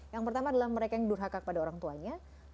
yang pertama adalah mereka yang durhaka kepada orang tuanya